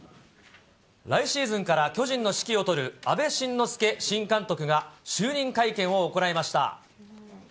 来シーズンから巨人の指揮を執る阿部慎之助新監督が就任会見を行いました。